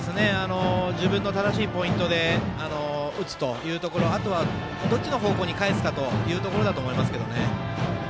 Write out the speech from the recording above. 自分の正しいポイントで打つというところあとはどっちの方向に返すかというところだと思いますけどね。